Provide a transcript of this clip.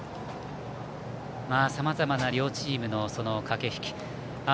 さまざまな両チームの駆け引き。